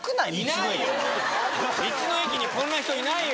道の駅にこんな人いないよ。